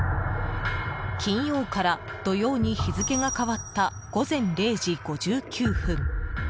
金曜から土曜に日付が変わった午前０時５９分。